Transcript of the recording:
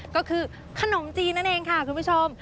ก็คือขนมจีนนั่นเองค่ะคุณผู้ชม